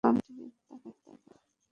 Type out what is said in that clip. আসুন, টিকিট দেখাই।